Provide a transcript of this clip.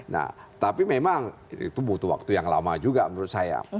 nah tapi memang itu butuh waktu yang lama juga menurut saya